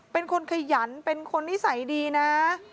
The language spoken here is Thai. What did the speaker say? เป็นคนขยันเป็นคนนิสัยดีนะ